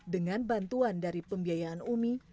dengan bantuan dari pembiayaan umi